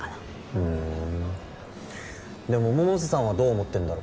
ふんでも百瀬さんはどう思ってんだろ？